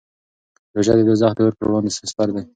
روژه د دوزخ د اور پر وړاندې سپر دی.